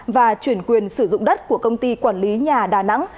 và chuyển quyền sử dụng đất của công ty quản lý nhà đà nẵng